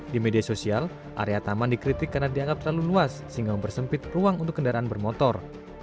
di media sosial area taman dikritik karena dianggap terlalu luas sehingga mempersempit ruang untuk kendaraan bermotor